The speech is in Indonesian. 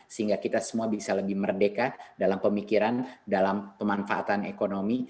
sehingga kita semua bisa lebih merdeka dalam pemikiran dalam pemanfaatan ekonomi